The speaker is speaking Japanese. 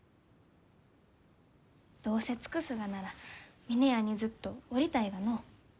どうせ尽くすがなら峰屋にずっとおりたいがのう。